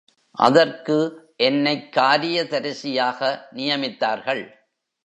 அதற்கு என்னைக் காரியதரிசியாக நியமித்தார்கள்.